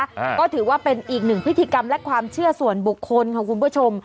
อ่าก็ถือว่าเป็นอีกหนึ่งพิธีกรรมและความเชื่อส่วนบุคคลค่ะคุณผู้ชม